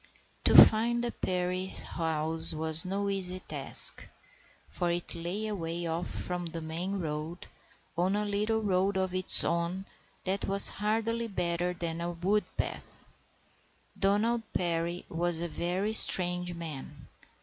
To find the Perry house was no easy task, for it lay away off from the main road on a little road of its own that was hardly better than a wood path. Donald Perry was a very strange man.